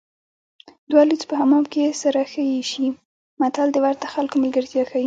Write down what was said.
دوه لوڅ په حمام کې سره ښه ایسي متل د ورته خلکو ملګرتیا ښيي